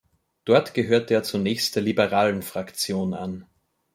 Dort gehörte er zunächst der Liberalen Fraktion an.